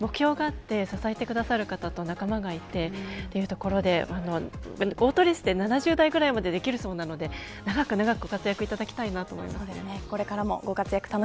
目標があって支えてくださる方と仲間がいてというところでオートレースって７０代ぐらいまでできるそうなので長く長くご活躍いただきたいと思いますね。